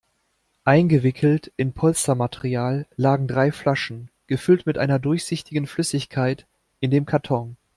Eingewickelt in Polstermaterial lagen drei Flaschen, gefüllt mit einer durchsichtigen Flüssigkeit, in dem Karton.